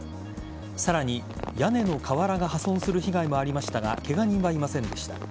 さらに屋根の瓦が破損する被害もありましたがケガ人はいませんでした。